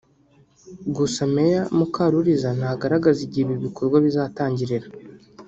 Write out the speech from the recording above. Gusa Meya Mukaruliza ntagaragaza igihe ibi bikorwa bizatangirira